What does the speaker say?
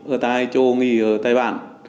ở tài châu nghỉ ở tài bản